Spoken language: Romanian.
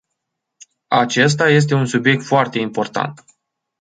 Acesta este un subiect foarte important.